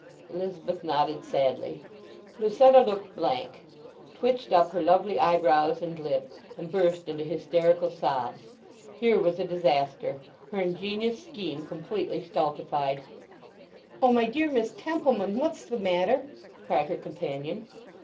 Elizabeth nodded sadly. Lucetta looked blank, twitched up her lovely eyebrows and lip, and burst into hysterical sobs. Here was a disaster—her ingenious scheme completely stultified. "O, my dear Miss Templeman—what's the matter?" cried her companion.